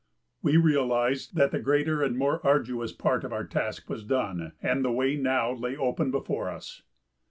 We realized that the greater and more arduous part of our task was done and that the way now lay open before us.